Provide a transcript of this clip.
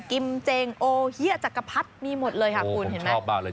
กิมเจงโอะเหี้ยจักรพัดมีหมดเลยค่ะคุณเห็นมั้ยโอ้ผมชอบมากเลย